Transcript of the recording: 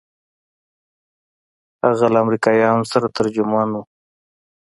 هغه له امريکايانو سره ترجمان و.